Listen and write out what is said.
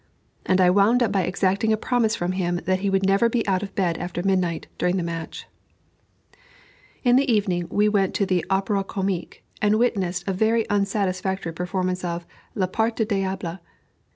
And I wound up by exacting a promise from him that he would never be out of bed after midnight, during the match. In the evening we went to the Opera Comique, and witnessed a very unsatisfactory performance of "La Part du Diable."